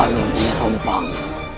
lalu nyai rongkang